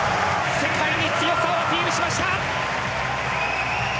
世界に強さをアピールしました。